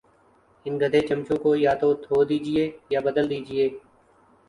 ان گدے چمچوں کو یا تو دھو دیجئے یا بدل دیجئے